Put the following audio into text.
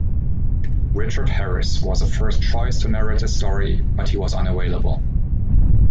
Richard Harris was the first choice to narrate the story, but he was unavailable.